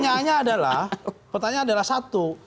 nah pertanyaannya adalah satu